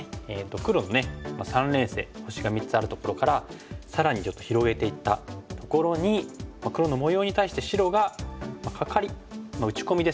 黒の三連星星が３つあるところから更にちょっと広げていったところに黒の模様に対して白がカカリ打ち込みですけどね。